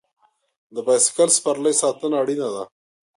د بایسکل سپرلۍ ساتنه اړینه ده.